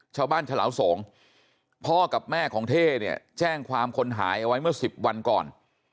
ฉลาวสงพ่อกับแม่ของเท่เนี่ยแจ้งความคนหายเอาไว้เมื่อ๑๐วันก่อน